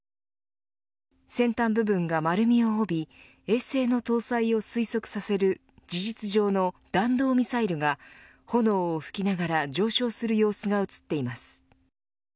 先端部分が丸みを帯び衛星の搭載を推測させる事実上の弾道ミサイルが炎を噴きながら上昇する様子が写っています。